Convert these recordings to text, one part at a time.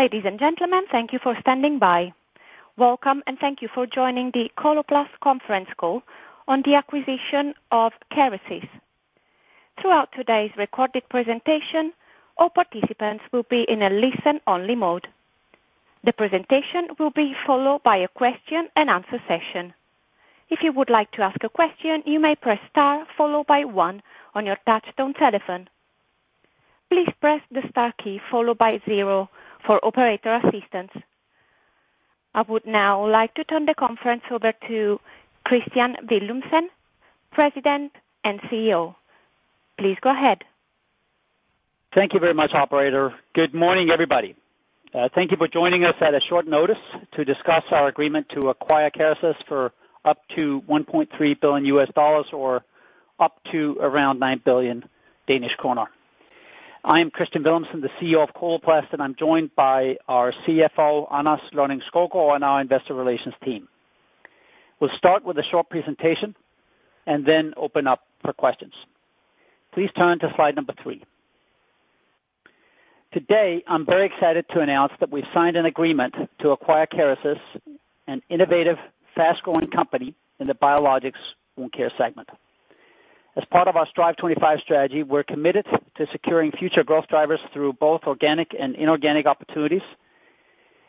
Ladies and gentlemen, thank you for standing by. Welcome, thank you for joining the Coloplast conference call on the acquisition of Kerecis. Throughout today's recorded presentation, all participants will be in a listen-only mode. The presentation will be followed by a question-and-answer session. If you would like to ask a question, you may press star, followed by one on your touchtone telephone. Please press the star key followed by zero for operator assistance. I would now like to turn the conference over to Kristian Villumsen, President and CEO. Please go ahead. Thank you very much, operator. Good morning, everybody. Thank you for joining us at a short notice to discuss our agreement to acquire Kerecis for up to $1.3 billion, or up to around 9 billion Danish kroner. I am Kristian Villumsen, the CEO of Coloplast, and I'm joined by our CFO, Anders Lonning-Skovgaard, and our investor relations team. We'll start with a short presentation and then open up for questions. Please turn to slide number three. Today, I'm very excited to announce that we've signed an agreement to acquire Kerecis, an innovative, fast-growing company in the biologics wound care segment. As part of our Strive25 strategy, we're committed to securing future growth drivers through both organic and inorganic opportunities,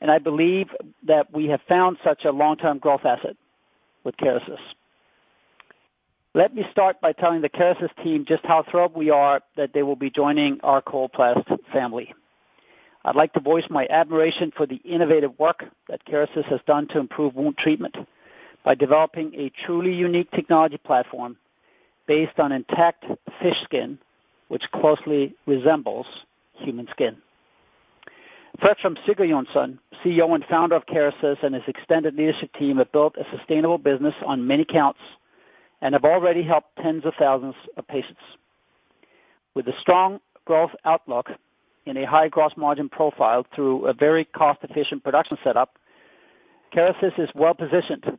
and I believe that we have found such a long-term growth asset with Kerecis. Let me start by telling the Kerecis team just how thrilled we are that they will be joining our Coloplast family. I'd like to voice my admiration for the innovative work that Kerecis has done to improve wound treatment by developing a truly unique technology platform based on intact fish skin, which closely resembles human skin. Fertram Sigurjonsson, CEO and Founder of Kerecis, and his extended leadership team, have built a sustainable business on many counts and have already helped tens of thousands of patients. With a strong growth outlook in a high gross margin profile through a very cost-efficient production setup, Kerecis is well positioned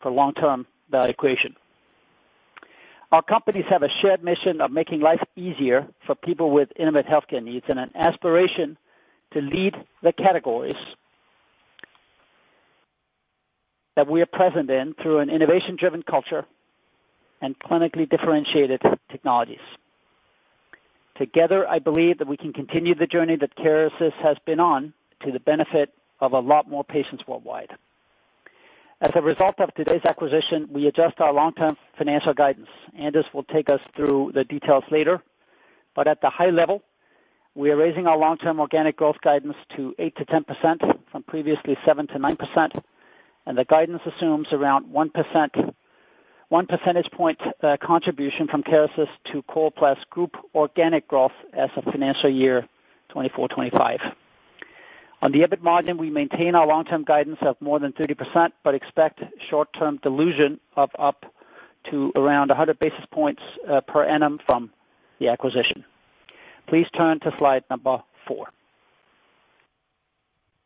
for long-term value creation. Our companies have a shared mission of making life easier for people with intimate healthcare needs and an aspiration to lead the categories that we are present in through an innovation-driven culture and clinically differentiated technologies. Together, I believe that we can continue the journey that Kerecis has been on to the benefit of a lot more patients worldwide. As a result of today's acquisition, we adjust our long-term financial guidance. Anders will take us through the details later, but at the high level, we are raising our long-term organic growth guidance to 8%-10% from previously 7%-9%. The guidance assumes around 1 percentage point contribution from Kerecis to Coloplast Group organic growth as of financial year 2024, 2025. On the EBIT margin, we maintain our long-term guidance of more than 30%, but expect short-term dilution of up to around 100 basis points per annum from the acquisition. Please turn to slide number four.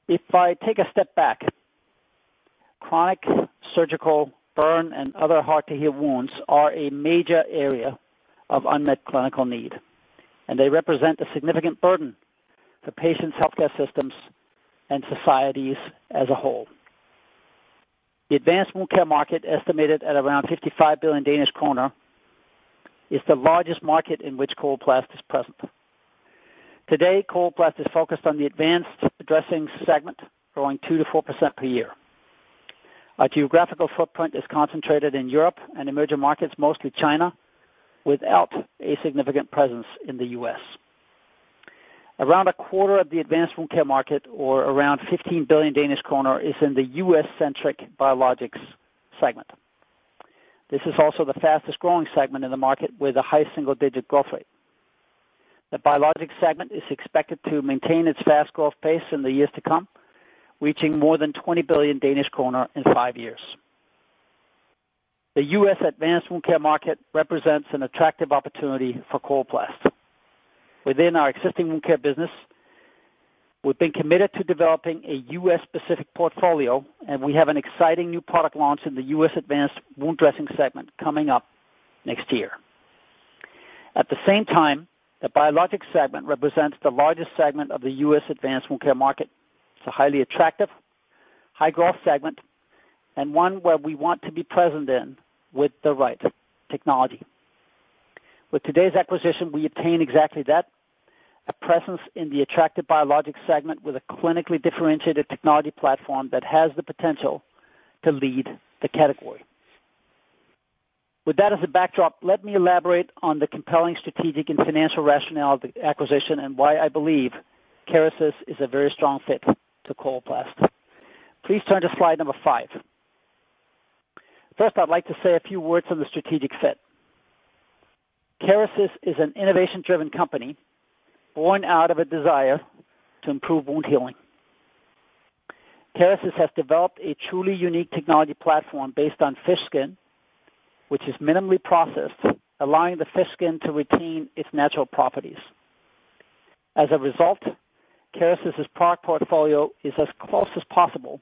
If I take a step back, chronic surgical burn and other hard-to-heal wounds are a major area of unmet clinical need. They represent a significant burden for patients, healthcare systems, and societies as a whole. The advanced wound care market, estimated at around 55 billion Danish kroner, is the largest market in which Coloplast is present. Today, Coloplast is focused on the advanced dressing segment, growing 2%-4% per year. Our geographical footprint is concentrated in Europe and emerging markets, mostly China, without a significant presence in the US. Around a quarter of the advanced wound care market, or around 15 billion Danish kroner, is in the US-centric biologics segment. This is also the fastest-growing segment in the market, with a high single-digit growth rate. The biologics segment is expected to maintain its fast growth pace in the years to come, reaching more than 20 billion Danish kroner in five years. The U.S. advanced wound care market represents an attractive opportunity for Coloplast. Within our existing wound care business, we've been committed to developing a U.S.-specific portfolio, and we have an exciting new product launch in the U.S. advanced wound dressing segment coming up next year. The biologics segment represents the largest segment of the U.S. advanced wound care market. It's a highly attractive, high-growth segment and one where we want to be present in with the right technology. With today's acquisition, we obtain exactly that, a presence in the attractive biologics segment with a clinically differentiated technology platform that has the potential to lead the category. With that as a backdrop, let me elaborate on the compelling strategic and financial rationale of the acquisition and why I believe Kerecis is a very strong fit to Coloplast. Please turn to slide number five. First, I'd like to say a few words on the strategic fit. Kerecis is an innovation-driven company born out of a desire to improve wound healing. Kerecis has developed a truly unique technology platform based on fish skin, which is minimally processed, allowing the fish skin to retain its natural properties. As a result, Kerecis' product portfolio is as close as possible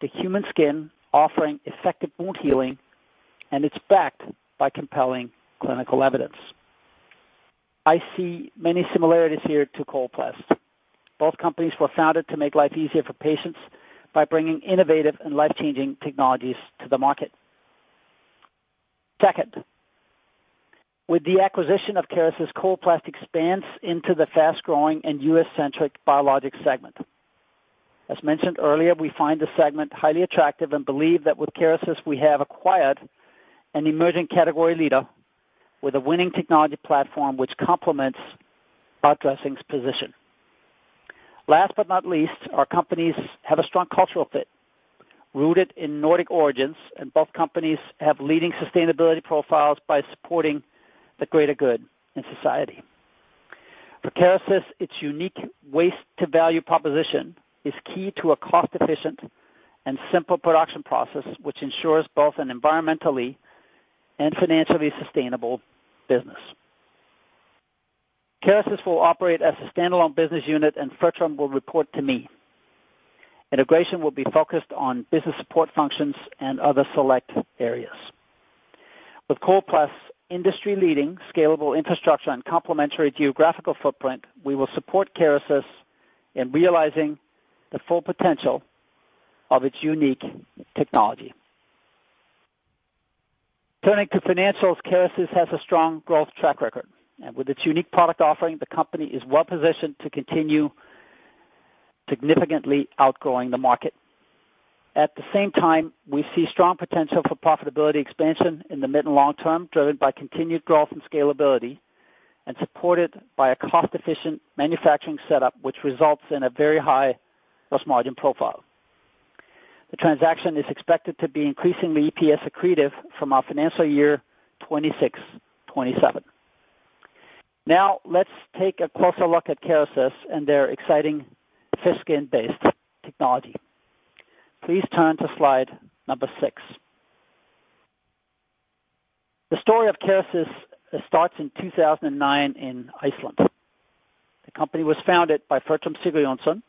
to human skin, offering effective wound healing, and it's backed by compelling clinical evidence. I see many similarities here to Coloplast. Both companies were founded to make life easier for patients by bringing innovative and life-changing technologies to the market. Second, with the acquisition of Kerecis, Coloplast expands into the fast-growing and U.S.-centric biologic segment. As mentioned earlier, we find this segment highly attractive and believe that with Kerecis, we have acquired an emerging category leader with a winning technology platform, which complements our dressings position. Last but not least, our companies have a strong cultural fit, rooted in Nordic origins, and both companies have leading sustainability profiles by supporting the greater good in society. For Kerecis, its unique waste-to-value proposition is key to a cost-efficient and simple production process, which ensures both an environmentally and financially sustainable business. Kerecis will operate as a standalone business unit, and Fertram will report to me. Integration will be focused on business support functions and other select areas. With Coloplast's industry-leading scalable infrastructure and complementary geographical footprint, we will support Kerecis in realizing the full potential of its unique technology. Turning to financials, Kerecis has a strong growth track record, and with its unique product offering, the company is well-positioned to continue significantly outgrowing the market. At the same time, we see strong potential for profitability expansion in the mid and long term, driven by continued growth and scalability and supported by a cost-efficient manufacturing setup, which results in a very high gross margin profile. The transaction is expected to be increasingly EPS accretive from our financial year 2026, 2027. Now, let's take a closer look at Kerecis and their exciting fish skin-based technology. Please turn to slide number six. The story of Kerecis starts in 2009 in Iceland. The company was founded by Fertram Sigurjonsson,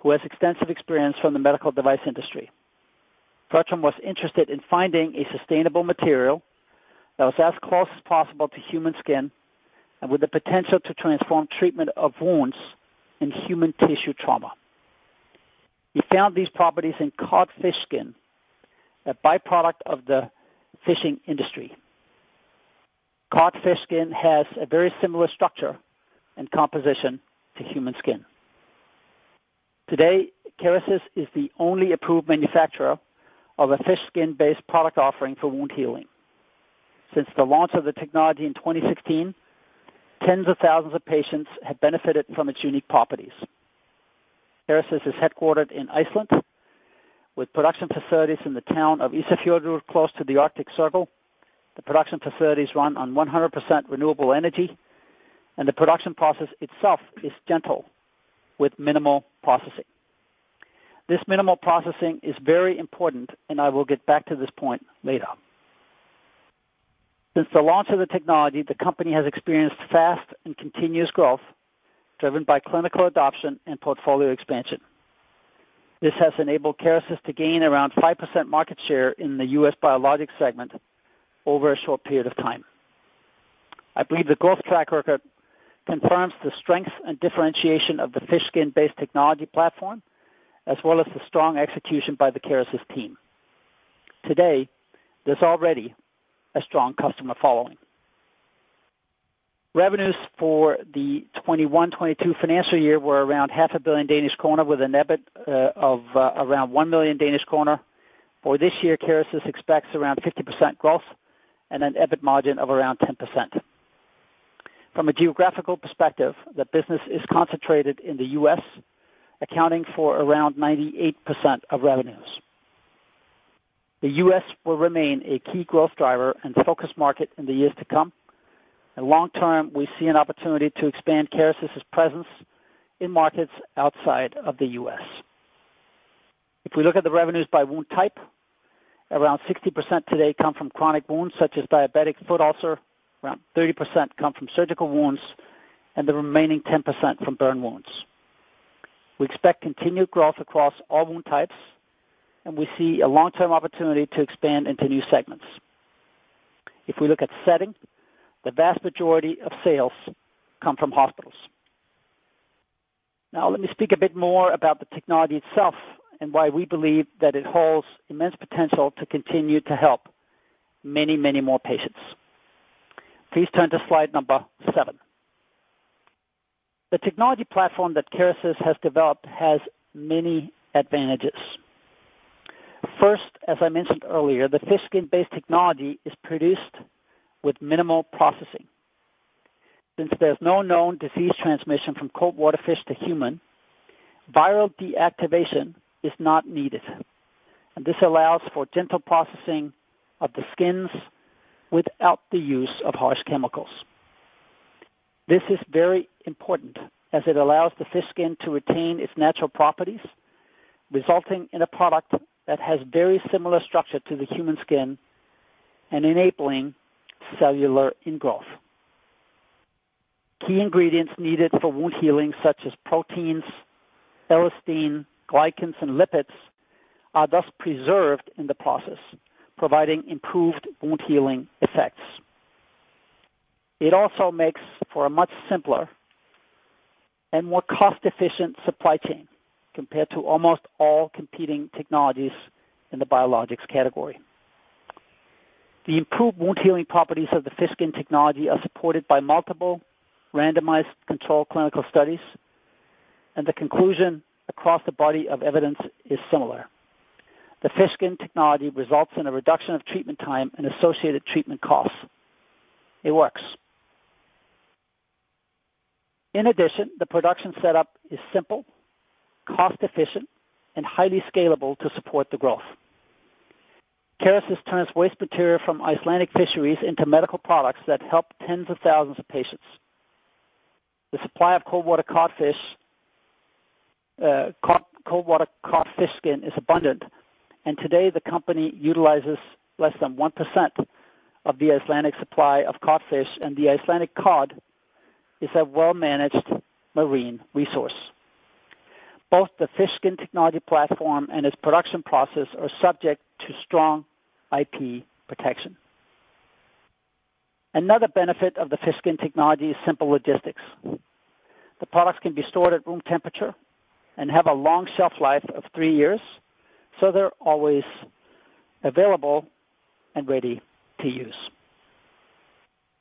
who has extensive experience from the medical device industry. Fertram was interested in finding a sustainable material that was as close as possible to human skin and with the potential to transform treatment of wounds and human tissue trauma. He found these properties in cod fish skin, a by-product of the fishing industry. Cod fish skin has a very similar structure and composition to human skin. Today, Kerecis is the only approved manufacturer of a fish skin-based product offering for wound healing. Since the launch of the technology in 2016, tens of thousands of patients have benefited from its unique properties. Kerecis is headquartered in Iceland, with production facilities in the town of Ísafjörður, close to the Arctic Circle. The production facilities run on 100% renewable energy, and the production process itself is gentle, with minimal processing. This minimal processing is very important, and I will get back to this point later. Since the launch of the technology, the company has experienced fast and continuous growth, driven by clinical adoption and portfolio expansion. This has enabled Kerecis to gain around 5% market share in the U.S. biologics segment over a short period of time. I believe the growth track record confirms the strength and differentiation of the fish skin-based technology platform, as well as the strong execution by the Kerecis team. Today, there's already a strong customer following. Revenues for the 2021-2022 financial year were around half a billion Danish kroner, with an EBIT of around 1 million. For this year, Kerecis expects around 50% growth and an EBIT margin of around 10%. From a geographical perspective, the business is concentrated in the U.S., accounting for around 98% of revenues. The U.S. will remain a key growth driver and focus market in the years to come, and long term, we see an opportunity to expand Kerecis' presence in markets outside of the U.S. If we look at the revenues by wound type, around 60% today come from chronic wounds, such as diabetic foot ulcer, around 30% come from surgical wounds, and the remaining 10% from burn wounds. We expect continued growth across all wound types, and we see a long-term opportunity to expand into new segments. If we look at setting, the vast majority of sales come from hospitals. Now, let me speak a bit more about the technology itself and why we believe that it holds immense potential to continue to help many, many more patients. Please turn to slide number seven. The technology platform that Kerecis has developed has many advantages. First, as I mentioned earlier, the fish skin-based technology is produced with minimal processing. Since there's no known disease transmission from cold-water fish to human, viral inactivation is not needed, this allows for gentle processing of the skins without the use of harsh chemicals. This is very important as it allows the fish skin to retain its natural properties, resulting in a product that has very similar structure to the human skin and enabling cellular ingrowth. Key ingredients needed for wound healing, such as proteins, elastin, glycans, and lipids, are thus preserved in the process, providing improved wound healing effects. It also makes for a much simpler and more cost-efficient supply chain compared to almost all competing technologies in the biologics category. The improved wound healing properties of the fish skin technology are supported by multiple randomized controlled clinical studies, the conclusion across the body of evidence is similar. The fish skin technology results in a reduction of treatment time and associated treatment costs. It works. In addition, the production setup is simple, cost-efficient, and highly scalable to support the growth. Kerecis turns waste material from Icelandic fisheries into medical products that help tens of thousands of patients. The supply of cold water cod fish skin is abundant, and today the company utilizes less than 1% of the Icelandic supply of cod fish, and the Icelandic cod is a well-managed marine resource. Both the fish skin technology platform and its production process are subject to strong IP protection. Another benefit of the fish skin technology is simple logistics. The products can be stored at room temperature and have a long shelf life of three years, so they're always available and ready to use.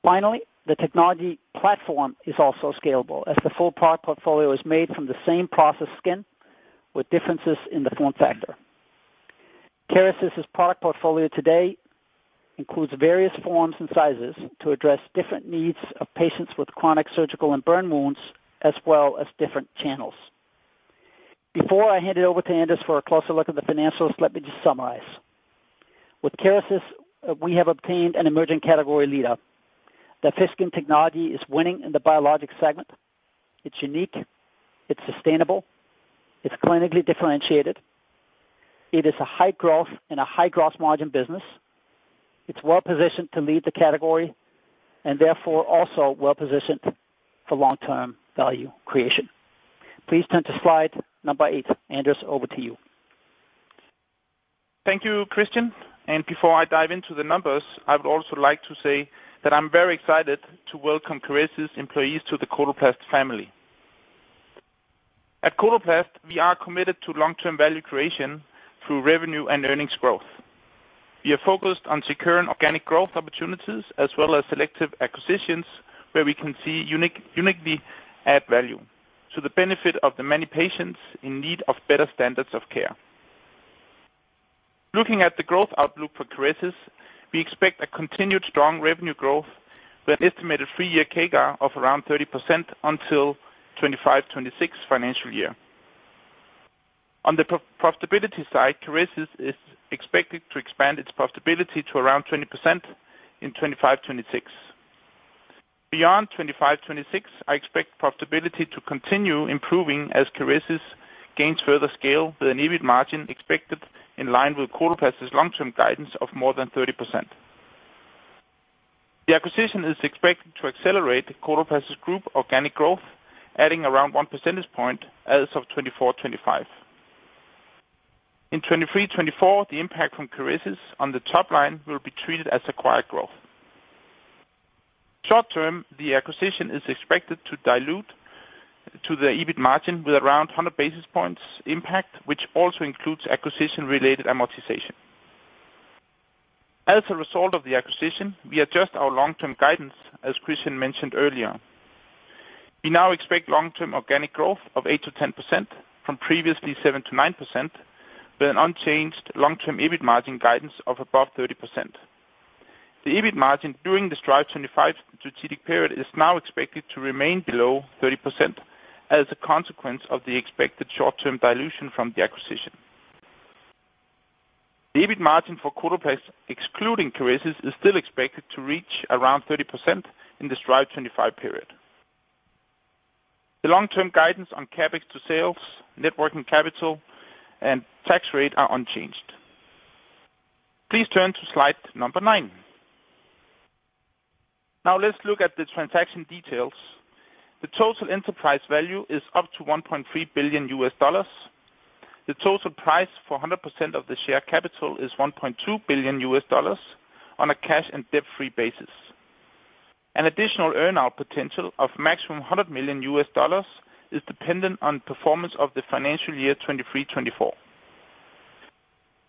Finally, the technology platform is also scalable, as the full product portfolio is made from the same processed skin with differences in the form factor. Kerecis's product portfolio today includes various forms and sizes to address different needs of patients with chronic surgical and burn wounds, as well as different channels. Before I hand it over to Anders for a closer look at the financials, let me just summarize. With Kerecis, we have obtained an emerging category leader. The fish skin technology is winning in the biologics segment. It's unique, it's sustainable, it's clinically differentiated. It is a high growth and a high gross margin business. It's well-positioned to lead the category and therefore also well-positioned for long-term value creation. Please turn to slide number eight. Anders, over to you. Thank you, Kristian Sørup Ryom. Before I dive into the numbers, I would also like to say that I'm very excited to welcome Kerecis employees to the Coloplast family. At Coloplast, we are committed to long-term value creation through revenue and earnings growth. We are focused on securing organic growth opportunities as well as selective acquisitions, where we can see uniquely add value to the benefit of the many patients in need of better standards of care. Looking at the growth outlook for Kerecis, we expect a continued strong revenue growth with an estimated three-year CAGR of around 30% until 2025-2026 financial year. On the pro-profitability side, Kerecis is expected to expand its profitability to around 20% in 2025-2026. Beyond 2025-2026, I expect profitability to continue improving as Kerecis gains further scale, with an EBIT margin expected in line with Coloplast's long-term guidance of more than 30%. The acquisition is expected to accelerate Coloplast's group organic growth, adding around 1 percentage point as of 2024-2025. In 2023-2024, the impact from Kerecis on the top line will be treated as acquired growth. Short term, the acquisition is expected to dilute to the EBIT margin with around 100 basis points impact, which also includes acquisition-related amortization. As a result of the acquisition, we adjust our long-term guidance, as Kristian mentioned earlier. We now expect long-term organic growth of 8%-10% from previously 7%-9%, with an unchanged long-term EBIT margin guidance of above 30%. The EBIT margin during the Strive25 strategic period is now expected to remain below 30% as a consequence of the expected short-term dilution from the acquisition. The EBIT margin for Coloplast, excluding Kerecis, is still expected to reach around 30% in the Strive25 period. The long-term guidance on CapEx to sales, net working capital, and tax rate are unchanged. Please turn to slide number 9. Let's look at the transaction details. The total enterprise value is up to $1.3 billion. The total price for 100% of the share capital is $1.2 billion on a cash and debt-free basis. Additional earn-out potential of maximum $100 million is dependent on performance of the financial year 2023-2024.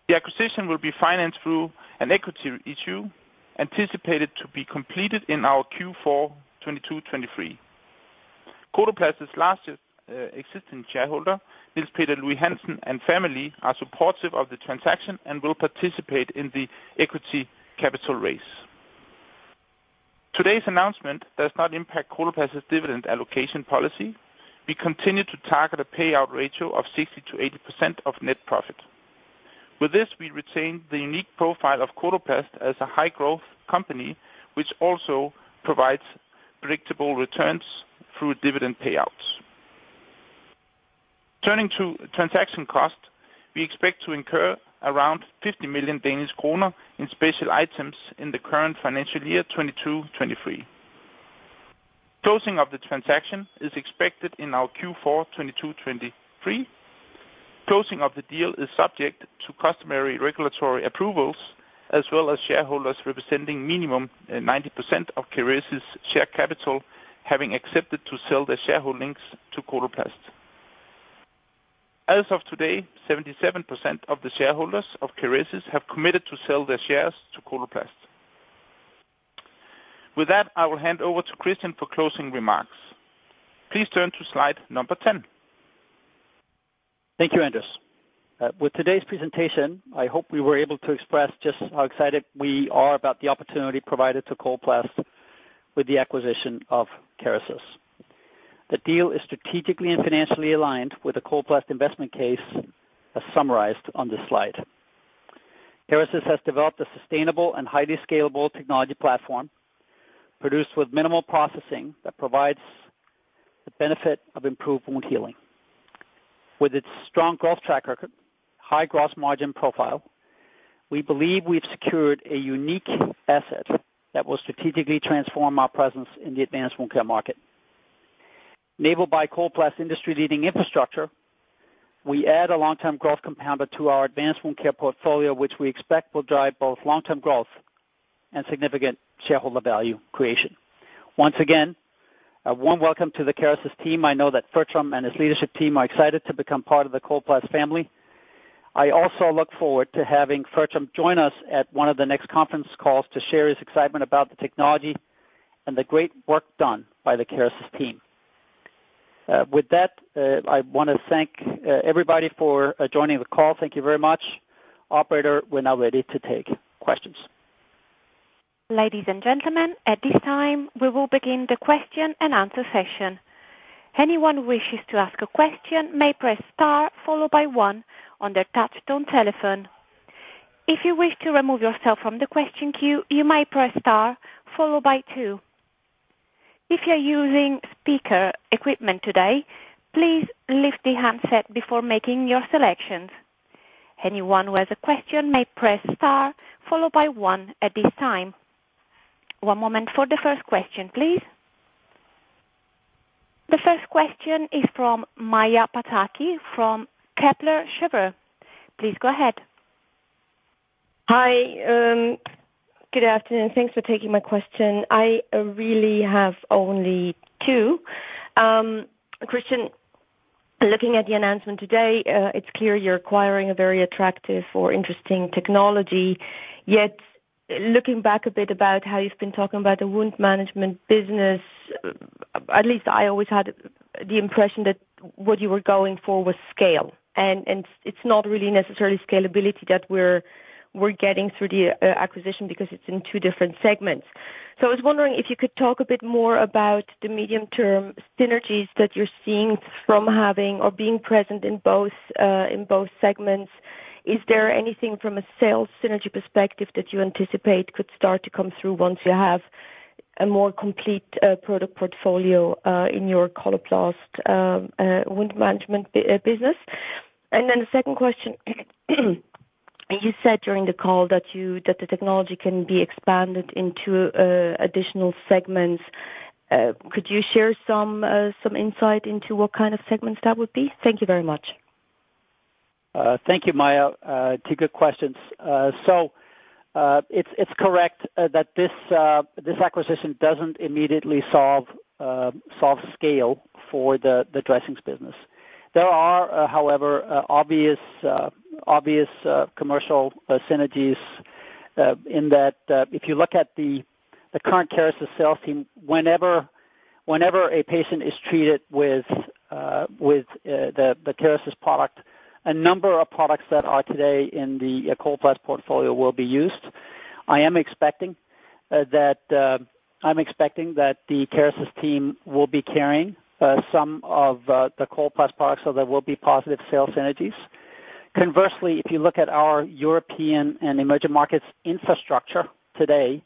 The acquisition will be financed through an equity issue anticipated to be completed in our Q4 2022-2023. Coloplast's largest existing shareholder, Niels Peter Louis-Hansen and family, are supportive of the transaction and will participate in the equity capital raise. Today's announcement does not impact Coloplast's dividend allocation policy. We continue to target a payout ratio of 60%-80% of net profit. With this, we retain the unique profile of Coloplast as a high-growth company, which also provides predictable returns through dividend payouts. Turning to transaction cost, we expect to incur around 50 million Danish kroner in special items in the current financial year, 2022-2023. Closing of the transaction is expected in our Q4 2022-2023. Closing of the deal is subject to customary regulatory approvals, as well as shareholders representing minimum 90% of Kerecis' share capital, having accepted to sell their shareholdings to Coloplast. As of today, 77% of the shareholders of Kerecis have committed to sell their shares to Coloplast. With that, I will hand over to Kristian for closing remarks. Please turn to slide number 10. Thank you, Anders. With today's presentation, I hope we were able to express just how excited we are about the opportunity provided to Coloplast with the acquisition of Kerecis. The deal is strategically and financially aligned with the Coloplast investment case, as summarized on this slide. Kerecis has developed a sustainable and highly scalable technology platform, produced with minimal processing, that provides the benefit of improved wound healing. With its strong growth track record, high gross margin profile, we believe we've secured a unique asset that will strategically transform our presence in the advanced wound care market. Enabled by Coloplast's industry-leading infrastructure, we add a long-term growth compounder to our advanced wound care portfolio, which we expect will drive both long-term growth and significant shareholder value creation. Once again, a warm welcome to the Kerecis team. I know that Fertram and his leadership team are excited to become part of the Coloplast family. I also look forward to having Fertram join us at one of the next conference calls to share his excitement about the technology and the great work done by the Kerecis team. With that, I want to thank everybody for joining the call. Thank you very much. Operator, we're now ready to take questions. Ladies and gentlemen, at this time, we will begin the question and answer session. Anyone who wishes to ask a question may press star followed by 1 on their touchtone telephone. If you wish to remove yourself from the question queue, you may press star followed by 2. If you're using speaker equipment today, please lift the handset before making your selections. Anyone who has a question may press star followed by 1 at this time. One moment for the first question, please. The first question is from Maja Pataki from Kepler Cheuvreux. Please go ahead. Hi. Good afternoon. Thanks for taking my question. I really have only two. Kristian, looking at the announcement today, it's clear you're acquiring a very attractive or interesting technology. Looking back a bit about how you've been talking about the wound management business, at least I always had the impression that what you were going for was scale, and it's not really necessarily scalability that we're getting through the acquisition, because it's in two different segments. I was wondering if you could talk a bit more about the medium-term synergies that you're seeing from having or being present in both, in both segments. Is there anything from a sales synergy perspective that you anticipate could start to come through once you have a more complete product portfolio in your Coloplast wound management business? The second question, you said during the call that the technology can be expanded into additional segments. Could you share some insight into what kind of segments that would be? Thank you very much. Thank you, Maja. Two good questions. It's correct that this acquisition doesn't immediately solve scale for the dressings business. There are, however, obvious commercial synergies in that if you look at the current Kerecis sales team, whenever a patient is treated with the Kerecis product, a number of products that are today in the Coloplast portfolio will be used. I am expecting that I'm expecting that the Kerecis team will be carrying some of the Coloplast products, so there will be positive sales synergies. Conversely, if you look at our European and emerging markets infrastructure today,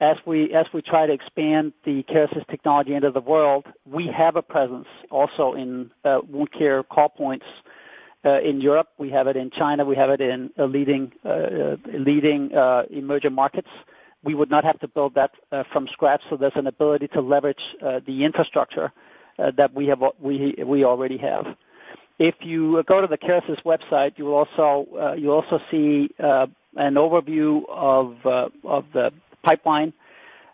as we try to expand the Kerecis technology into the world, we have a presence also in wound care call points in Europe. We have it in China. We have it in a leading emerging markets. We would not have to build that from scratch, so there's an ability to leverage the infrastructure that we already have. If you go to the Kerecis website, you will also, you'll also see an overview of the pipeline.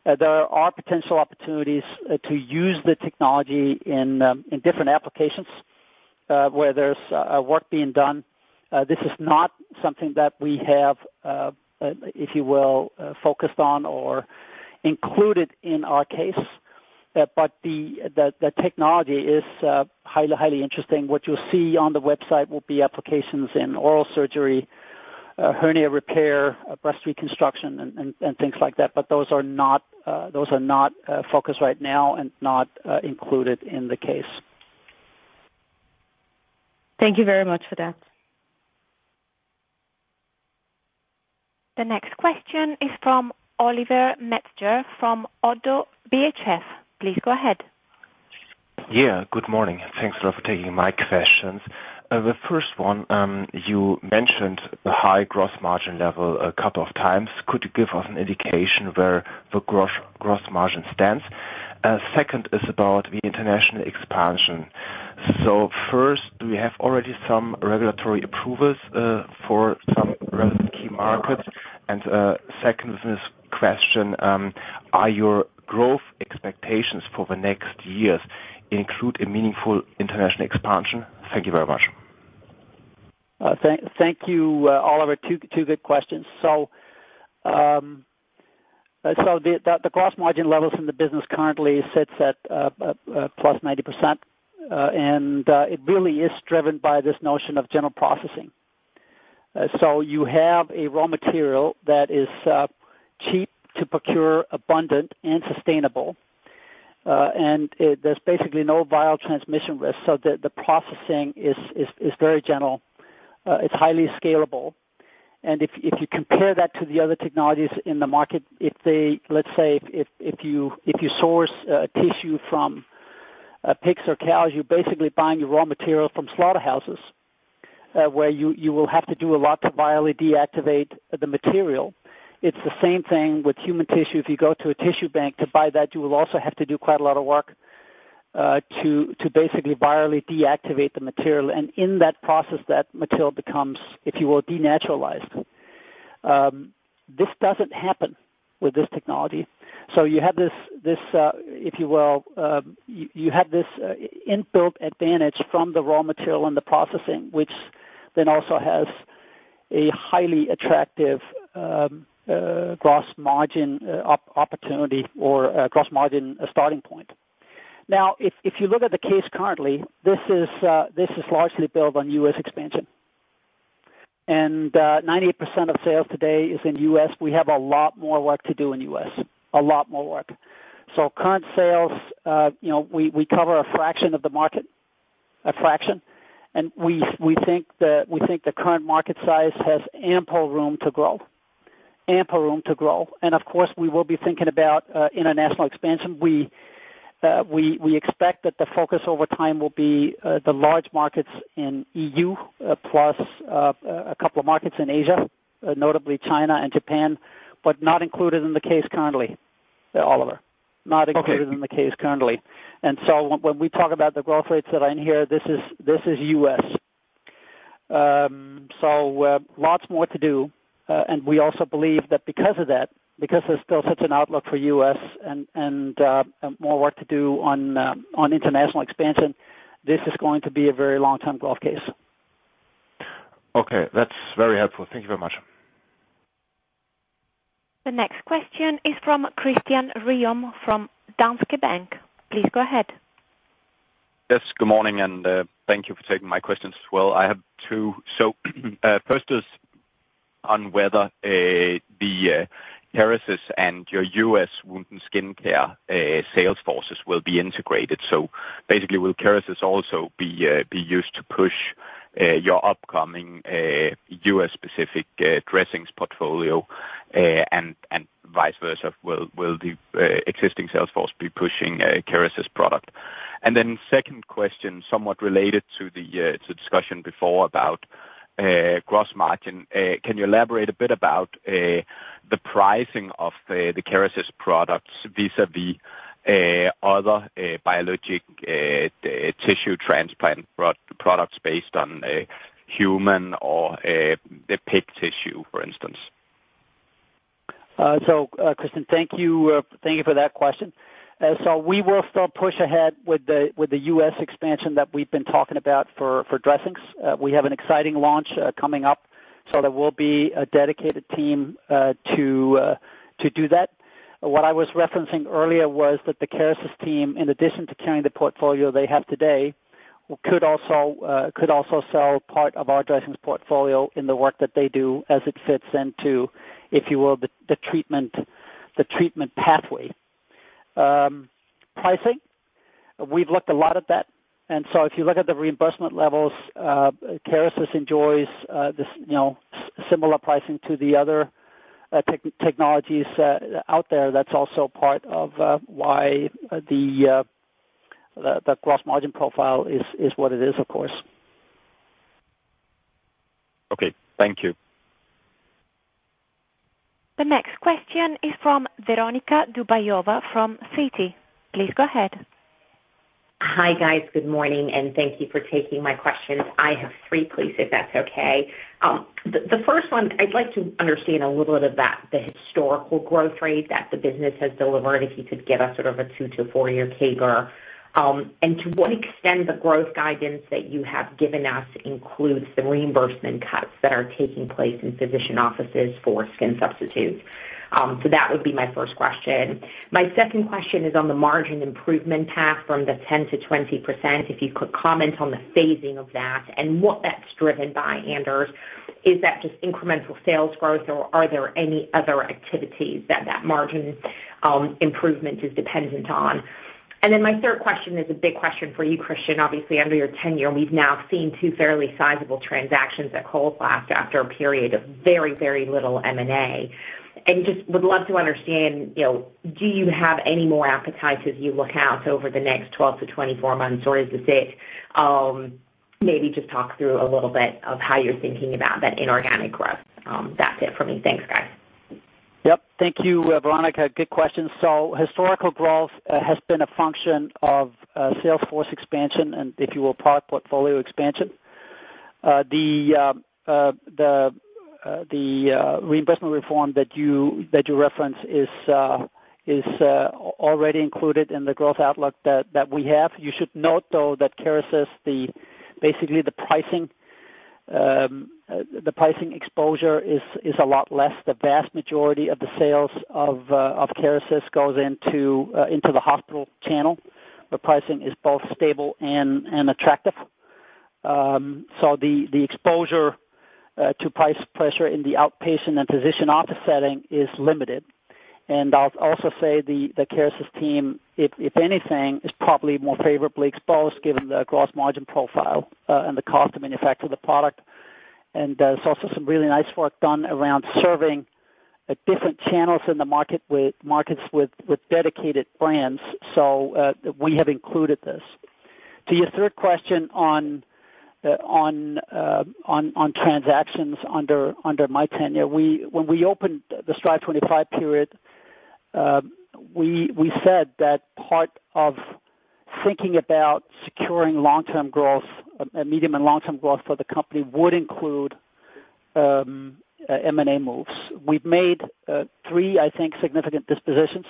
There are potential opportunities to use the technology in different applications where there's work being done. This is not something that we have, if you will, focused on or included in our case. The technology is highly interesting. What you'll see on the website will be applications in oral surgery, hernia repair, breast reconstruction, and things like that. Those are not focused right now and not included in the case. Thank you very much for that. The next question is from Oliver Metzger from ODDO BHF. Please go ahead. Yeah, good morning. Thanks a lot for taking my questions. The first one, you mentioned the high gross margin level a couple of times. Could you give us an indication where the gross margin stands? Second is about the international expansion. First, do we have already some regulatory approvals for some key markets? Second is this question, are your growth expectations for the next years include a meaningful international expansion? Thank you very much. Thank you, Oliver. Two good questions. The gross margin levels in the business currently sits at plus 90%. And it really is driven by this notion of minimal processing. So you have a raw material that is cheap to procure, abundant and sustainable, and there's basically no viral transmission risk. The processing is very general. It's highly scalable. And if you compare that to the other technologies in the market, let's say, if you source tissue from pigs or cows, you're basically buying your raw material from slaughterhouses, where you will have to do a lot to virally deactivate the material. It's the same thing with human tissue. If you go to a tissue bank to buy that, you will also have to do quite a lot of work, to basically virally deactivate the material. In that process, that material becomes, if you will, denatured. This doesn't happen with this technology. You have this, if you will, you have this inbuilt advantage from the raw material and the processing, which then also has a highly attractive gross margin opportunity or a gross margin starting point. Now, if you look at the case currently, this is largely built on U.S. expansion. 98% of sales today is in U.S. We have a lot more work to do in U.S., a lot more work. Current sales, you know, we cover a fraction of the market, a fraction, and we think the current market size has ample room to grow. Ample room to grow. Of course, we will be thinking about international expansion. We expect that the focus over time will be the large markets in EU, plus a couple of markets in Asia, notably China and Japan, but not included in the case currently, Oliver. Not included in the case currently. When we talk about the growth rates that are in here, this is U.S. Lots more to do. We also believe that because of that, because there's still such an outlook for U.S. and on international expansion, this is going to be a very long-term growth case. Okay. That's very helpful. Thank you very much. The next question is from Kristian Ryom from Danske Bank. Please go ahead. Yes, good morning, and thank you for taking my questions as well. I have two. First is on whether the Kerecis and your U.S. wound and skin care sales forces will be integrated. Basically, will Kerecis also be used to push your upcoming US specific dressings portfolio, and vice versa? Will the existing sales force be pushing Kerecis product? Second question, somewhat related to the discussion before about gross margin. Can you elaborate a bit about the pricing of the Kerecis products vis-a-vis other biologic tissue transplant products based on a human or a pig tissue, for instance? Christian, thank you. Thank you for that question. We will still push ahead with the U.S. expansion that we've been talking about for dressings. We have an exciting launch coming up, so there will be a dedicated team to do that. What I was referencing earlier was that the Kerecis team, in addition to carrying the portfolio they have today, could also sell part of our dressings portfolio in the work that they do as it fits into, if you will, the treatment pathway. Pricing, we've looked a lot at that, and so if you look at the reimbursement levels, Kerecis enjoys this, you know, similar pricing to the other technologies out there. That's also part of, why the gross margin profile is what it is, of course. Okay. Thank you. The next question is from Veronika Dubajova from Citi. Please go ahead. Hi, guys. Good morning, and thank you for taking my questions. I have three, please, if that's okay. The first one, I'd like to understand a little bit about the historical growth rate that the business has delivered, if you could give us sort of a 2 year-4 year CAGR. To what extent the growth guidance that you have given us includes the reimbursement cuts that are taking place in physician offices for skin substitutes? That would be my first question. My second question is on the margin improvement path from the 10%-20%. If you could comment on the phasing of that and what that's driven by, Anders. Is that just incremental sales growth, or are there any other activities that that margin improvement is dependent on? My third question is a big question for you, Kristian. Obviously, under your tenure, we've now seen two fairly sizable transactions at Coloplast after a period of very little M&A. Just would love to understand, you know, do you have any more appetites as you look out over the next 12 months-24 months, or is this it? Maybe just talk through a little bit of how you're thinking about that inorganic growth. That's it for me. Thanks, guys. Yep. Thank you, Veronika. Good question. Historical growth has been a function of sales force expansion and, if you will, product portfolio expansion. The reinvestment reform that you reference is already included in the growth outlook that we have. You should note, though, that Kerecis, basically, the pricing exposure is a lot less. The vast majority of the sales of Kerecis goes into the hospital channel, where pricing is both stable and attractive. The exposure to price pressure in the outpatient and physician office setting is limited. I'll also say the Kerecis team, if anything, is probably more favorably exposed, given the gross margin profile and the cost to manufacture the product. There's also some really nice work done around serving different channels in the market with markets with dedicated brands. We have included this. To your third question on transactions under my tenure. When we opened the Strive25 period, we said that part of thinking about securing long-term growth, medium and long-term growth for the company would include M&A moves. We've made three, I think, significant dispositions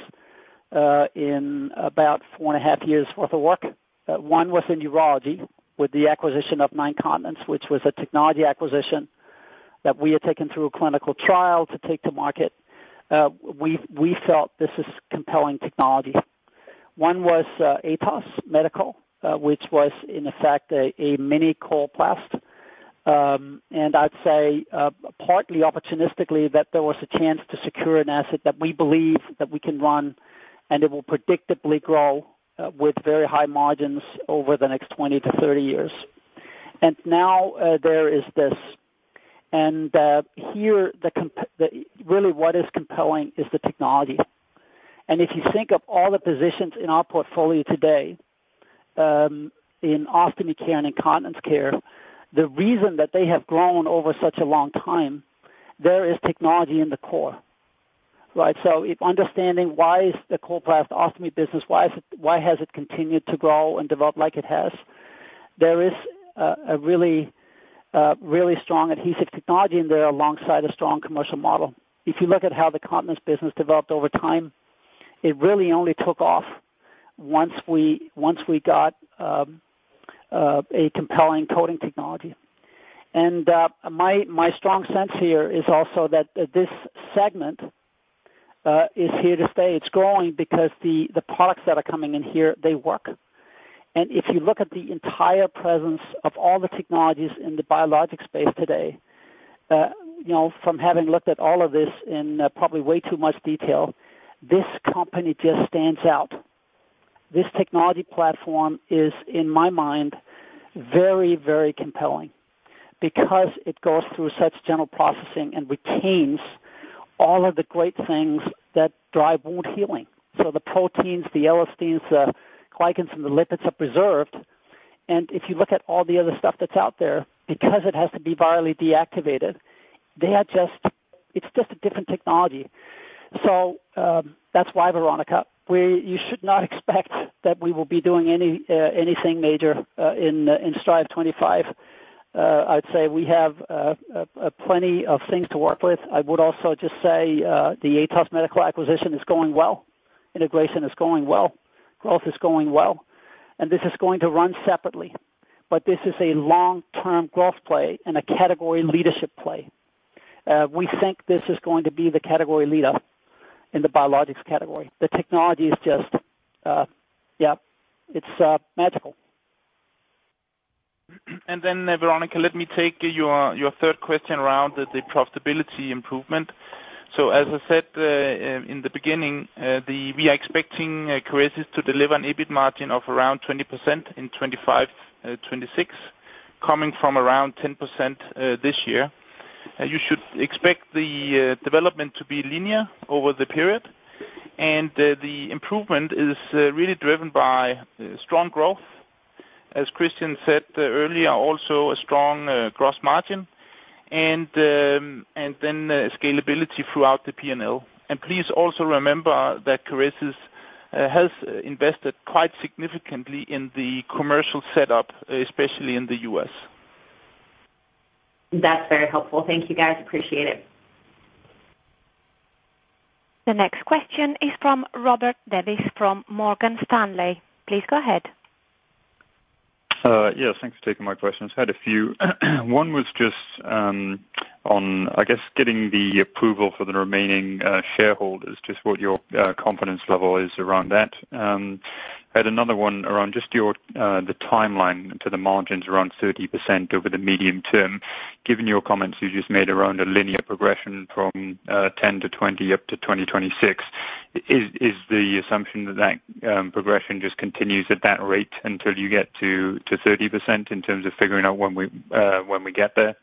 in about 4.5 years' worth of work. One was in urology, with the acquisition of Nine Continents, which was a technology acquisition that we had taken through a clinical trial to take to market. We felt this is compelling technology. One was Atos Medical, which was, in effect, a mini Coloplast. I'd say, partly opportunistically, that there was a chance to secure an asset that we believe that we can run, and it will predictably grow with very high margins over the next 20 years-30 years. Now, there is this. Here, the really, what is compelling is the technology. If you think of all the positions in our portfolio today, in ostomy care and incontinence care, the reason that they have grown over such a long time, there is technology in the core, right? If understanding why is the Coloplast ostomy business, why has it continued to grow and develop like it has? There is a really, really strong adhesive technology in there alongside a strong commercial model. If you look at how the continence business developed over time, it really only took off once we got a compelling coating technology. My strong sense here is also that this segment is here to stay. It's growing because the products that are coming in here, they work. If you look at the entire presence of all the technologies in the biologics space today, you know, from having looked at all of this in probably way too much detail, this company just stands out. This technology platform is, in my mind, very, very compelling because it goes through such general processing and retains all of the great things that drive wound healing. So the proteins, the elastins, the glycans, and the lipids are preserved. If you look at all the other stuff that's out there, because it has to be virally inactivated, it's just a different technology. That's why, Veronika. You should not expect that we will be doing anything major in Strive25. I'd say we have plenty of things to work with. I would also just say, the Atos Medical acquisition is going well, integration is going well, growth is going well, and this is going to run separately, but this is a long-term growth play and a category leadership play. We think this is going to be the category leader in the biologics category. The technology is just, yeah, it's magical. Veronika, let me take your third question around the profitability improvement. As I said in the beginning, we are expecting Kerecis to deliver an EBIT margin of around 20% in 2025-2026, coming from around 10% this year. You should expect the development to be linear over the period, the improvement is really driven by strong growth. As Kristian said earlier, also a strong gross margin and scalability throughout the P&L. Please also remember that Kerecis has invested quite significantly in the commercial setup, especially in the U.S. That's very helpful. Thank you, guys. Appreciate it. The next question is from Robert Davis, from Morgan Stanley. Please go ahead. Yes, thanks for taking my questions. I had a few. One was just on, I guess, getting the approval for the remaining shareholders, just what your confidence level is around that. Had another one around just your the timeline to the margins around 30% over the medium term given your comments you just made around a linear progression from 10%-20% up to 2026, is the assumption that that progression just continues at that rate until you get to 30% in terms of figuring out when we get there?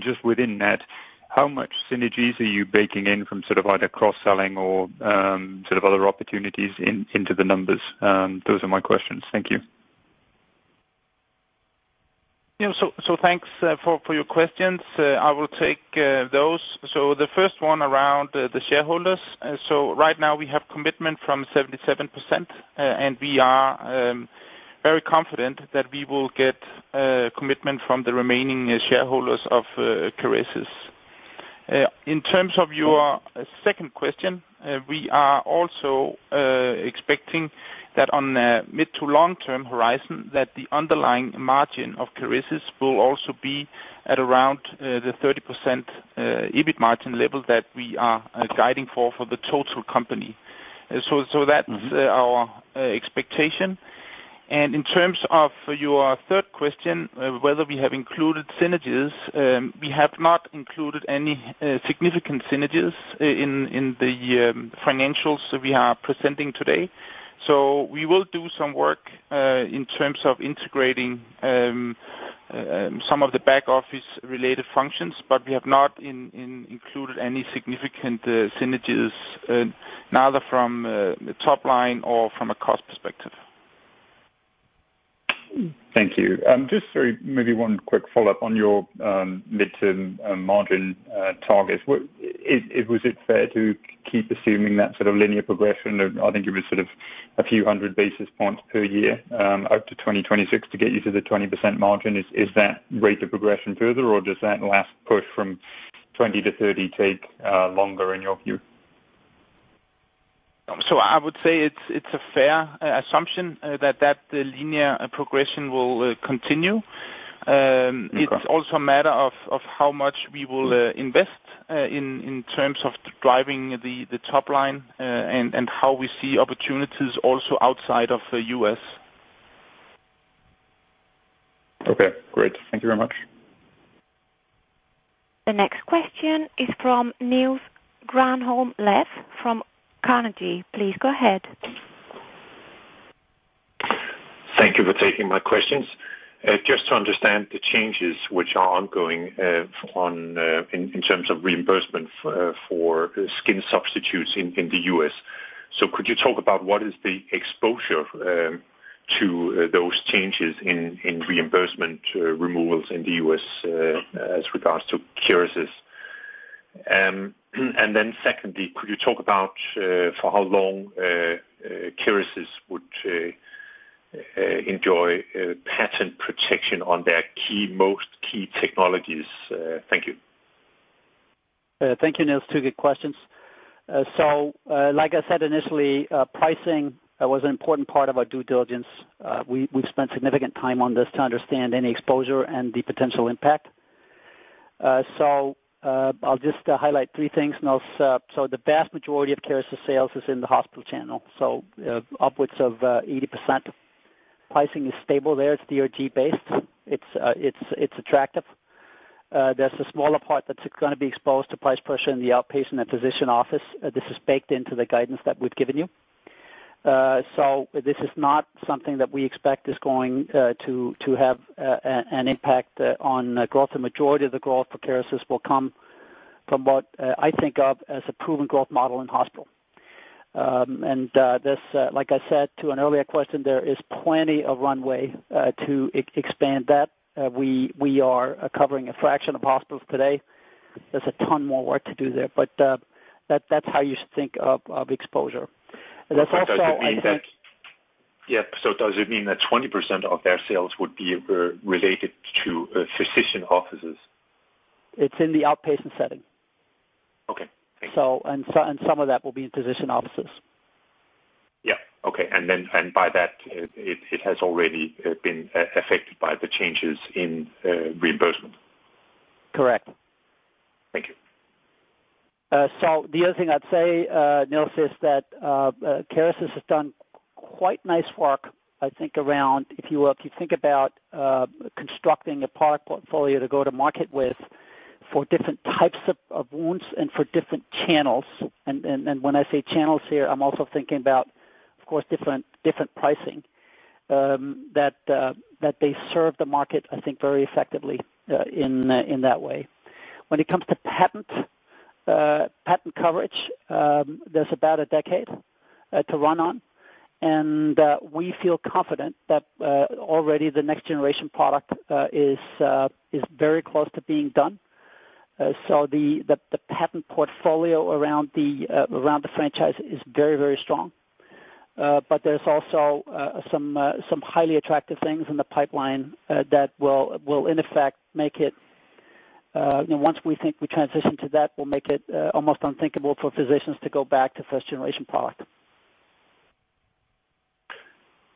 Just within that, how much synergies are you baking in from sort of either cross-selling or sort of other opportunities into the numbers? Those are my questions. Thank you. Thanks for your questions. I will take those. The first one around the shareholders. Right now we have commitment from 77%, and we are very confident that we will get commitment from the remaining shareholders of Kerecis. In terms of your second question, we are also expecting that on a mid to long-term horizon, that the underlying margin of Kerecis will also be at around the 30% EBIT margin level that we are guiding for the total company. That's our expectation. In terms of your third question, whether we have included synergies, we have not included any significant synergies in the financials we are presenting today. We will do some work in terms of integrating some of the back office related functions, but we have not included any significant synergies neither from the top line or from a cost perspective. Thank you. Just sorry, maybe one quick follow-up on your midterm margin targets. Was it fair to keep assuming that sort of linear progression? I think it was sort of a few hundred basis points per year, up to 2026 to get you to the 20% margin. Is that rate of progression further, or does that last push from 20%-30% take longer in your view? I would say it's a fair assumption that the linear progression will continue. It's also a matter of how much we will invest in terms of driving the top line and how we see opportunities also outside of the US. Okay, great. Thank you very much. The next question is from Niels Granholm-Leth from Carnegie. Please go ahead. Thank you for taking my questions. Just to understand the changes which are ongoing in terms of reimbursement for skin substitutes in the U.S. Could you talk about what is the exposure to those changes in reimbursement removals in the U.S. as regards to Kerecis? Secondly, could you talk about for how long Kerecis would enjoy patent protection on their key, most key technologies? Thank you. Thank you, Niels. Two good questions. Like I said, initially, pricing was an important part of our due diligence. We've spent significant time on this to understand any exposure and the potential impact. I'll just highlight three things, Niels. The vast majority of Kerecis sales is in the hospital channel, upwards of 80%. Pricing is stable there, it's DRG based. It's attractive. There's a smaller part that's gonna be exposed to price pressure in the outpatient and physician office. This is baked into the guidance that we've given you. This is not something that we expect is going to have an impact on growth. The majority of the growth for Kerecis will come from what I think of as a proven growth model in hospital. This, like I said to an earlier question, there is plenty of runway to expand that. We are covering a fraction of hospitals today. There's a ton more work to do there, that's how you should think of exposure. There's also, I think. Yeah. Does it mean that 20% of their sales would be related to physician offices? It's in the outpatient setting. Okay. Thank you. And some of that will be in physician offices. Yeah. Okay. By that, it has already been affected by the changes in reimbursement? Correct. Thank you. The other thing I'd say, Niels, is that Kerecis has done quite nice work, I think, around if you, if you think about constructing a product portfolio to go to market with, for different types of wounds and for different channels. When I say channels here, I'm also thinking about, of course, different pricing. That they serve the market, I think, very effectively, in that way. When it comes to patent coverage, there's about a decade to run on, and we feel confident that already the next generation product is very close to being done. The patent portfolio around the franchise is very, very strong. There's also some highly attractive things in the pipeline that will in effect, make it, you know, once we think we transition to that, will make it almost unthinkable for physicians to go back to first generation product.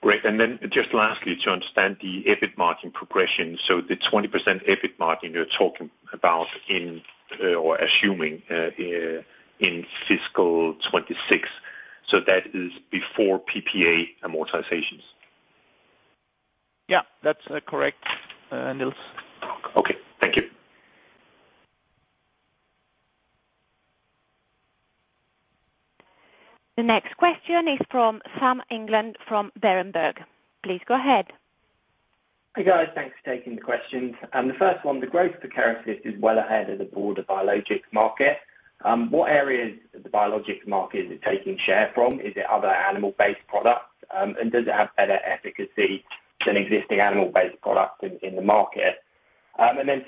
Great. Just lastly, to understand the EBIT margin progression, the 20% EBIT margin you're talking about in, or assuming, in fiscal 2026? That is before PPA amortizations? Yeah, that's correct, Niels. Okay. Thank you. The next question is from Sam England from Berenberg. Please go ahead. Hi, guys. Thanks for taking the questions. The first one, the growth for Kerecis is well ahead of the board of biologics market. What areas of the biologics market is it taking share from? Is it other animal-based products, and does it have better efficacy than existing animal-based products in the market?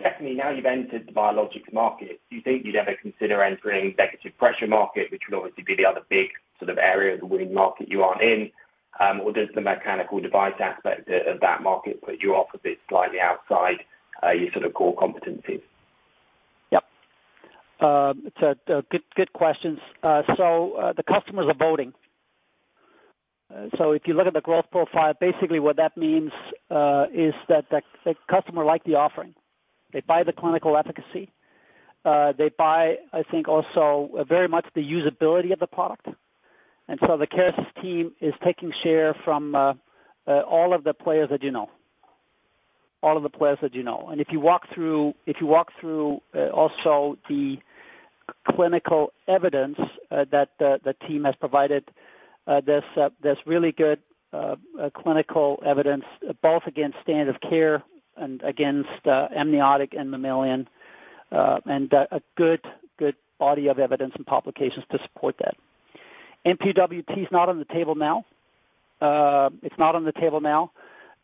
Secondly, now you've entered the biologics market, do you think you'd ever consider entering negative pressure market, which would obviously be the other big sort of area of the winning market you aren't in, or does the mechanical device aspect of that market put you off a bit, slightly outside your sort of core competencies? Yep. Good questions. The customers are voting. If you look at the growth profile, basically what that means is that the customer like the offering. They buy the clinical efficacy. They buy, I think, also very much the usability of the product. The Kerecis team is taking share from all of the players that you know. If you walk through also the clinical evidence that the team has provided, there's really good clinical evidence, both against standard care and against amniotic and mammalian, and a good body of evidence and publications to support that. NPWT is not on the table now. It's not on the table now,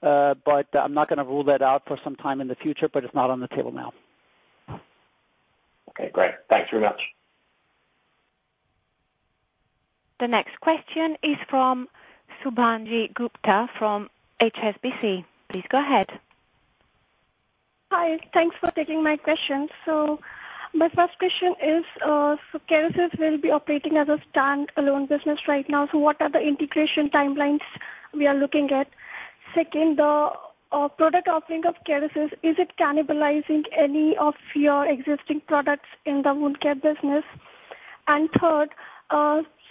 but I'm not gonna rule that out for some time in the future, but it's not on the table now. Okay, great. Thanks very much. The next question is from Shubhangi Gupta from HSBC. Please go ahead. Hi, thanks for taking my question. My first question is, Kerecis will be operating as a standalone business right now, so what are the integration timelines we are looking at? Second, the product offering of Kerecis, is it cannibalizing any of your existing products in the wound care business? Third,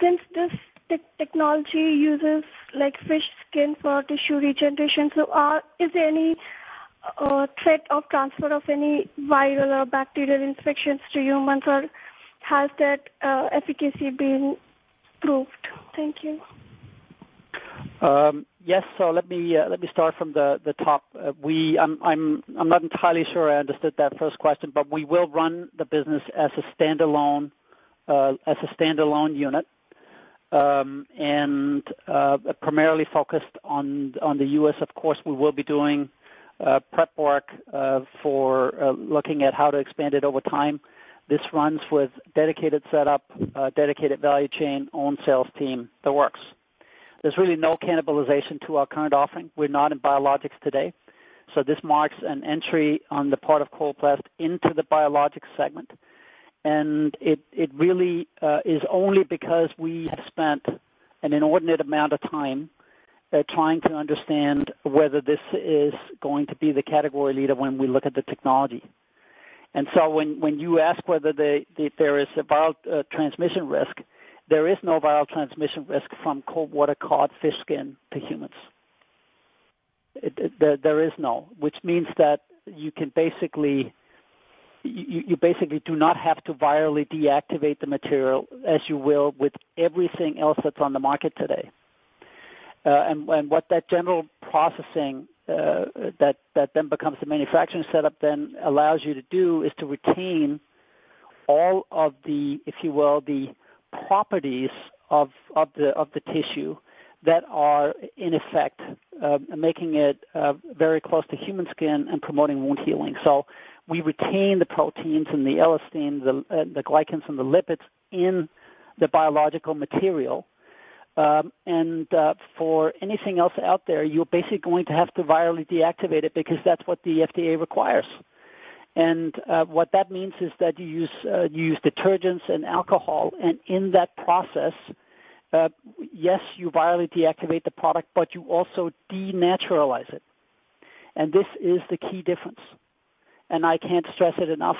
since this technology uses, like, fish skin for tissue regeneration, so is there any threat of transfer of any viral or bacterial infections to humans, or has that efficacy been proved? Thank you. Yes. Let me start from the top. I'm not entirely sure I understood that first question, but we will run the business as a standalone unit, and primarily focused on the U.S. Of course, we will be doing prep work for looking at how to expand it over time. This runs with dedicated setup, a dedicated value chain, own sales team, the works. There's really no cannibalization to our current offering. We're not in biologics today. This marks an entry on the part of Coloplast into the biologics segment. It really is only because we have spent an inordinate amount of time trying to understand whether this is going to be the category leader when we look at the technology. When you ask whether there is a viral transmission risk, there is no viral transmission risk from cold water, caught fish skin to humans. There is none. Which means that you can basically, you basically do not have to virally deactivate the material as you will with everything else that's on the market today. What that minimal processing that then becomes the manufacturing setup then allows you to do, is to retain all of the, if you will, the properties of the tissue that are in effect, making it very close to human skin and promoting wound healing. We retain the proteins and the elastin, the glycans and the lipids in the biological material. For anything else out there, you're basically going to have to virally deactivate it, because that's what the FDA requires. What that means is that you use detergents and alcohol, and in that process, yes, you virally deactivate the product, but you also denature it. This is the key difference, and I can't stress it enough,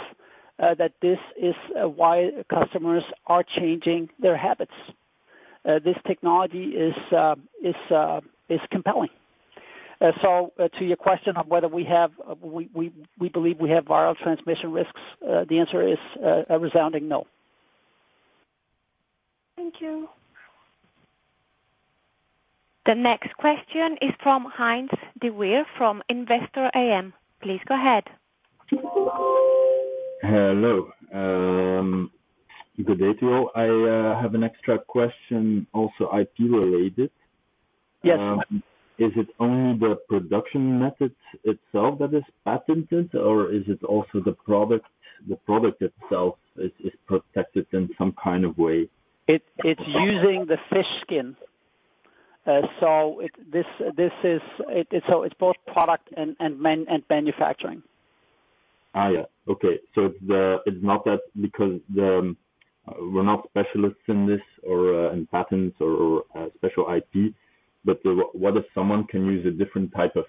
that this is why customers are changing their habits. This technology is compelling. To your question on whether we believe we have viral transmission risks, the answer is a resounding no. Thank you. The next question is from Heinz Deweer from Investor AM. Please go ahead. Hello. Good day to you all. I have an extra question also, IP-related. Yes. Is it only the production method itself that is patented, or is it also the product itself is protected in some kind of way? It's using the fish skin. It's both product and manufacturing. It's not that, because we're not specialists in this or special IP, but whether someone can use a different type of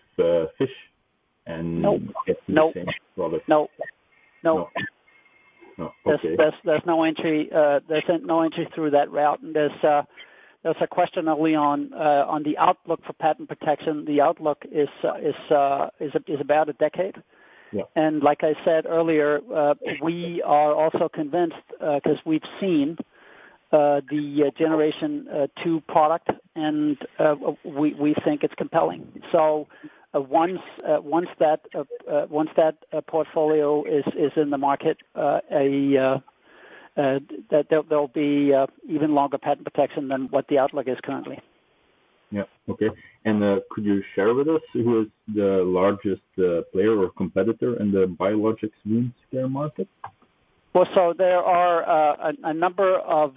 fish and, No. get the same product? No. There's no entry through that route. There's a question, early on the outlook for patent protection. The outlook is about a decade. Like I said earlier, we are also convinced, 'cause we've seen the generation two product, and we think it's compelling. Once that portfolio is in the market, there'll be even longer patent protection than what the outlook is currently. Yeah. Okay. Could you share with us who is the largest player or competitor in the biologics wound care market? There are a number of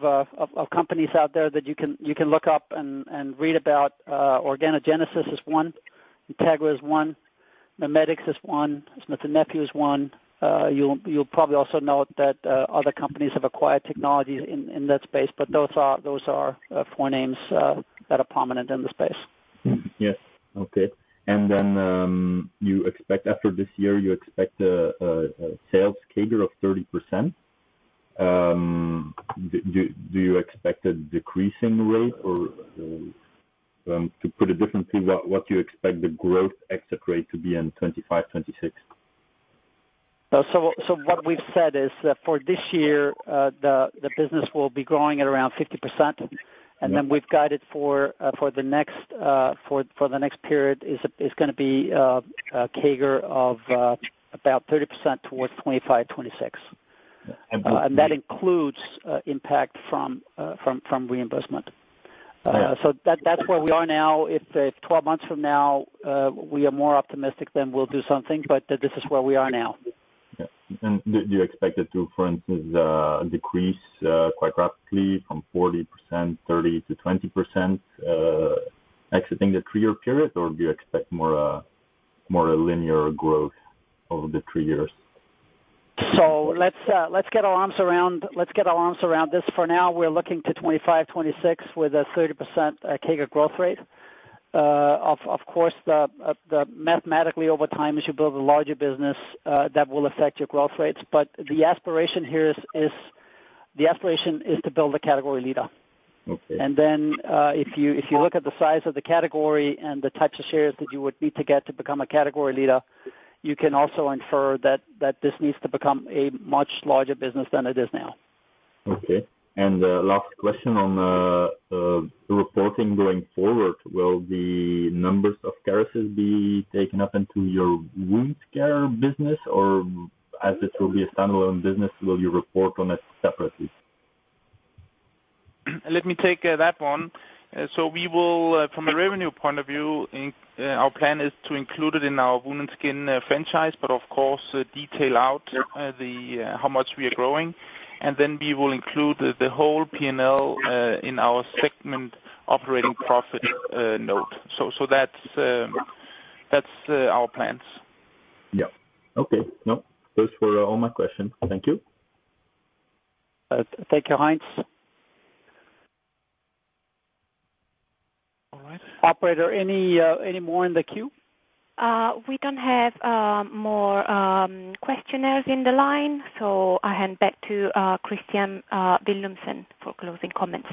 companies out there that you can look up and read about. Organogenesis is one, Integra is one, MIMEDX is one, Smith & Nephew is one. You'll probably also note that other companies have acquired technologies in that space, but those are four names that are prominent in the space. Yes. Okay. You expect after this year, you expect a sales CAGR of 30%. Do you expect a decreasing rate or, to put it differently, what do you expect the growth exit rate to be in 2025, 2026? What we've said is that for this year, the business will be growing at around 50%. We've guided for the next period, is gonna be a CAGR of about 30% towards 2025-2026. That includes impact from reimbursement. Yeah. That's where we are now. If, if 12 months from now, we are more optimistic, then we'll do something, but this is where we are now. Yeah. Do you expect it to, for instance, decrease quite rapidly from 40%, 30% to 20% exiting the three-year period, or do you expect more a linear growth over the three years? Let's get our arms around this. For now, we're looking to 2025-2026 with a 30% CAGR growth rate. Of course, the mathematically over time, as you build a larger business, that will affect your growth rates. The aspiration here is the aspiration is to build a category leader. Okay. If you look at the size of the category and the types of shares that you would need to get to become a category leader, you can also infer that this needs to become a much larger business than it is now. Okay. Last question on, the reporting going forward, will the numbers of Kerecis be taken up into your wound care business, or as it will be a standalone business, will you report on it separately? Let me take that one. We will from a revenue point of view, in our plan is to include it in our wound and skin franchise, but of course, detail out,&the, how much we are growing, and then we will include the whole P&L, in our segment operating profit, note. That's our plans. Yeah. Okay. No, those were all my questions. Thank you. Thank you, Heinz. All right. Operator, any more in the queue? We don't have more questioners in the line, so I hand back to Kristian Villumsen for closing comments.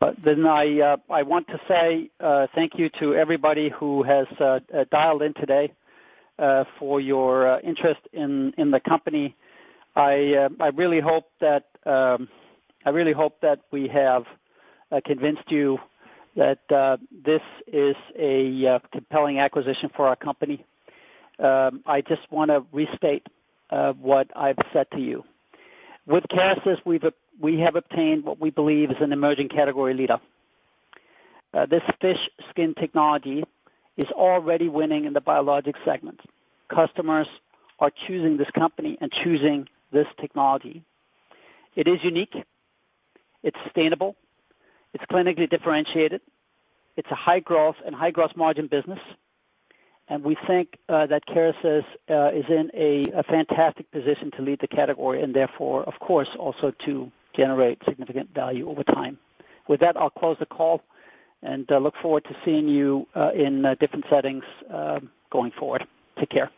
I want to say thank you to everybody who has dialed in today for your interest in the company. I really hope that we have convinced you that this is a compelling acquisition for our company. I just wanna restate what I've said to you. With Kerecis, we have obtained what we believe is an emerging category leader. This fish skin technology is already winning in the biologic segment. Customers are choosing this company and choosing this technology. It is unique, it's sustainable, it's clinically differentiated, it's a high growth and high gross margin business. We think that Kerecis is in a fantastic position to lead the category, and therefore, of course, also to generate significant value over time. With that, I'll close the call, and look forward to seeing you in different settings going forward. Take care.